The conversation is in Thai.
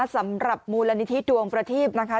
สำหรับมูลนิธิดวงประทีพนะคะ